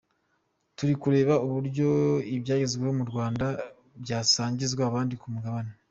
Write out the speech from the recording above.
Turi kureba uburyo ibyagezweho mu Rwanda byasangizwa abandi ku mugabane.